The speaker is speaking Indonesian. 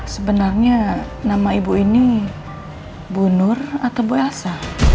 sebenarnya nama ibu ini bu nur atau bu elsa